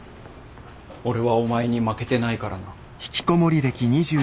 俺はお前に負けてないからな。